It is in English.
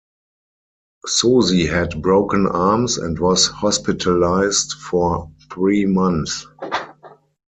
Suzy had broken arms and was hospitalized for three months.